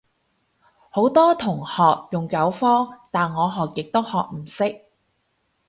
好多同學用九方，但我學極都學唔識